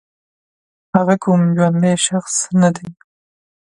هغه کوم ژوندی شخص نه دی